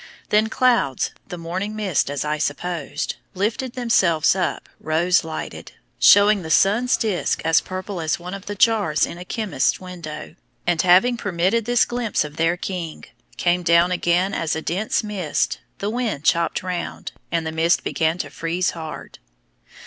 Then clouds, the morning mist as I supposed, lifted themselves up rose lighted, showing the sun's disc as purple as one of the jars in a chemist's window, and having permitted this glimpse of their king, came down again as a dense mist, the wind chopped round, and the mist began to freeze hard.